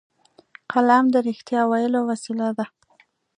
قلم د رښتیا ویلو وسیله ده